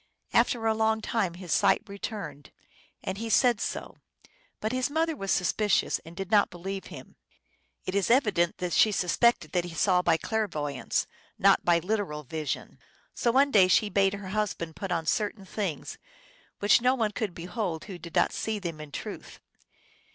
After a long time his sight returned, and he said so ; but his mother was suspicious, and did not believe him." It is evident that she suspected that he saw by clairvoy ance, not by literal vision. " So one day she bade her husband put on certain things which no one could behold who did not see them in truth.